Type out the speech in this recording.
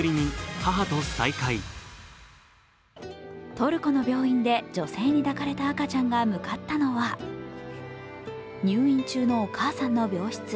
トルコの病院で女性に抱かれた赤ちゃんが向かったのは入院中のお母さんの病室。